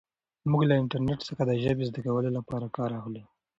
موږ له انټرنیټ څخه د ژبې زده کولو لپاره کار اخلو.